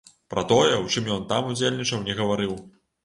Пра тое, у чым ён там удзельнічаў, не гаварыў.